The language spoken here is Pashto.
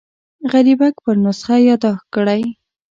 غریبک پر نسخه یاداښت کړی.